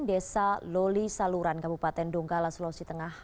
desa loli saluran kabupaten donggala sulawesi tengah